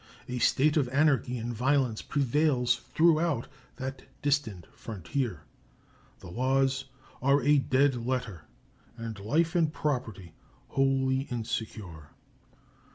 A state of anarchy and violence prevails throughout that distant frontier. The laws are a dead letter and life and property wholly insecure.